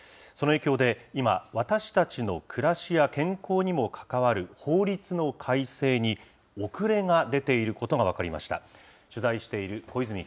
その影響で今、私たちの暮らしや健康にも関わる法律の改正に、遅れが出ていることが分かりました。